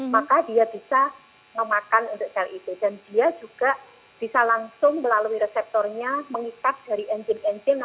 maka dia bisa memakan untuk sel itu dan dia juga bisa langsung melalui reseptornya mengikat dari engine enzim